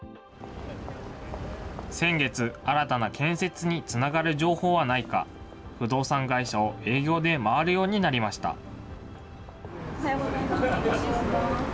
先月、新たな建設につながる情報はないか、不動産会社を営業で回るようになりました。